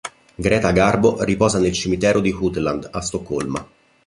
Greta Garbo riposa nel cimitero di Woodland, a Stoccolma.